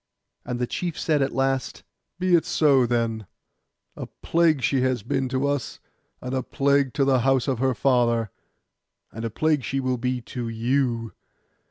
And the chief said at last, 'Be it so, then; a plague she has been to us, and a plague to the house of her father, and a plague she will be to you.